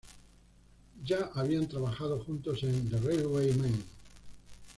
Ya habían trabajado juntos en "The Railway Man".